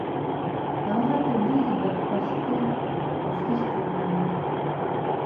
هغه هلته ډېرې بدبختۍ او سختۍ وګاللې